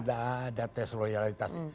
nggak ada tes loyalitas